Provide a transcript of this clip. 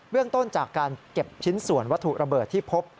เรื่องต้นจากการเก็บชิ้นส่วนวัตถุระเบิดที่พบ